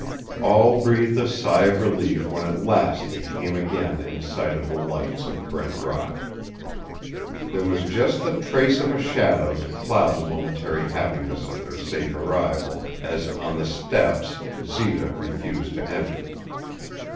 All breathed a sigh of relief when at last they came again in sight of the lights of Brent Rock. There was just the trace of a shadow to cloud the momentary happiness at their safe arrival, as, on the steps, Zita refused to enter.